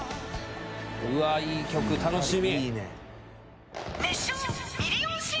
うわっ、いい曲、楽しみ。